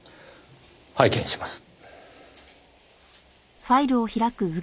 拝見します。